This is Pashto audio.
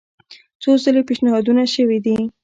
څو ځله پېشنهادونه شوي دي.